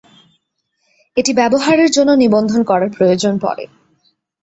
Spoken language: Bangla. এটি ব্যবহারের জন্য নিবন্ধন করার প্রয়োজন পড়ে।